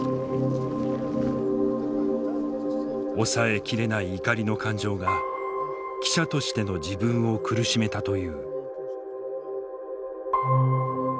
抑え切れない怒りの感情が記者としての自分を苦しめたという。